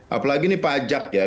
apalagi ini pajak ya